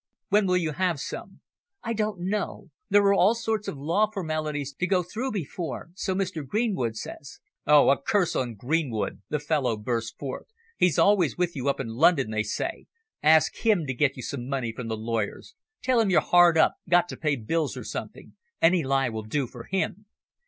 "When will you have some?" "I don't know. There are all sorts of law formalities to go through before, so Mr. Greenwood says." "Oh! a curse on Greenwood!" the fellow burst forth. "He's always with you up in London, they say. Ask him to get you some money from the lawyers. Tell him you're hard up got to pay bills, or something. Any lie will do for him."